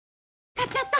買っちゃった！